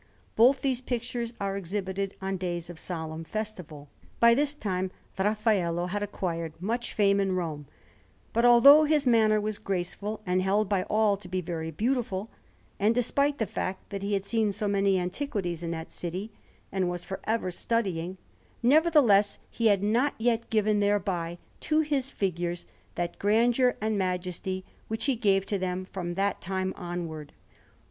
Both these pictures are exhibited on days of solemn festival. By this time Raffaello had acquired much fame in Rome; but, although his manner was graceful and held by all to be very beautiful, and despite the fact that he had seen so many antiquities in that city, and was for ever studying, nevertheless he had not yet given thereby to his figures that grandeur and majesty which he gave to them from that time onward.